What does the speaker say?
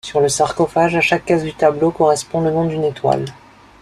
Sur le sarcophage, à chaque case du tableau correspond le nom d'une étoile.